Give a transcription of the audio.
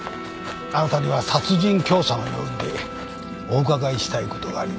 あなたには殺人教唆の容疑でお伺いしたいことがあります。